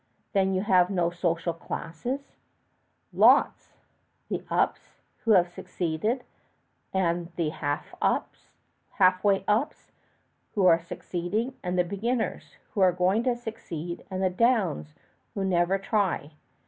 "Then you have no social classes?" "Lots. The ups, who have succeeded; and the half way ups, who are succeeding; and the beginners, who are going to succeed; and the downs, who never try.